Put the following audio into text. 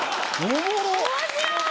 面白い！